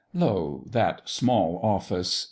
Lo! that small Office!